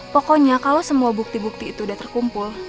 pokoknya kalau semua bukti bukti itu sudah terkumpul